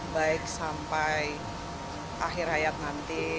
baik sampai akhir hayat nanti